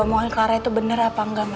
omongin clara itu bener apa enggak ma